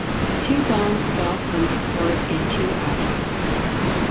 Two bombs fell some to port and two astern.